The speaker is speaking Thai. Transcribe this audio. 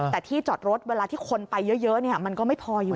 แต่ที่จอดรถเวลาที่คนไปเยอะมันก็ไม่พออยู่